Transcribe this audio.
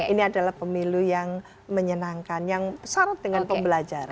ini adalah pemilu yang menyenangkan yang syarat dengan pembelajaran